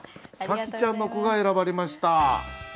紗季ちゃんの句が選ばれました。